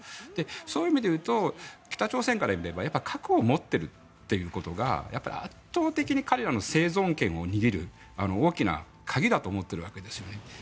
そういう意味でいうと北朝鮮から見れば核を持っているということが圧倒的に彼らの生存権を握る大きな鍵だと思っているわけですよね。